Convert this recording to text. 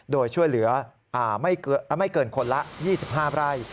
โดยช่วยเหลือไม่เกินคนละ๒๕ไร่